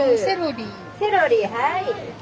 セロリはい！